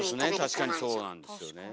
確かにそうなんですよね。